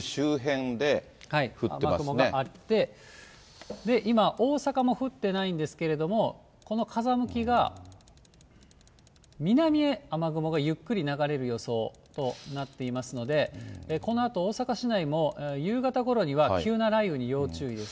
雨雲あって、今、大阪も降ってないんですけれども、この風向きが、南へ雨雲がゆっくり流れる予想となっていますので、このあと大阪市内も、夕方ごろには急な雷雨に要注意です。